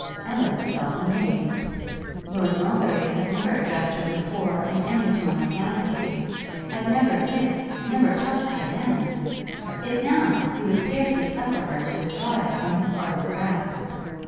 Ellis felt amazed. Lord Melbury had never addressed her before in any tone of gallantry; had never kissed, never touched her hand; yet now, he would scarcely suffer her to withdraw it from his ardent grasp.